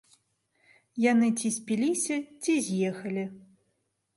Яны ці спіліся, ці з'ехалі.